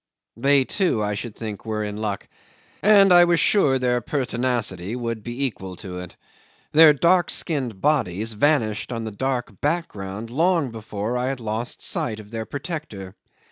They, too, I should think, were in luck, and I was sure their pertinacity would be equal to it. Their dark skinned bodies vanished on the dark background long before I had lost sight of their protector.